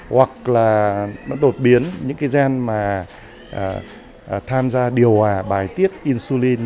hoặc là nó đột biến những cái gen mà tham gia điều hòa bài tiết insulin